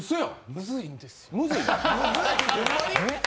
ムズいんですよ。